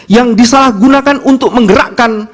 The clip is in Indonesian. yang disalahgunakan untuk menggerakkan